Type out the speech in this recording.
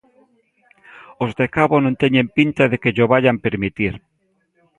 Os de Cabo non teñen pinta de que llo vaian permitir.